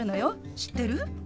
知ってる？